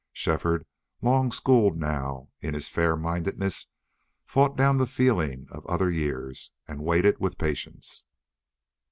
Shefford, long schooled now in his fair mindedness, fought down the feelings of other years, and waited with patience.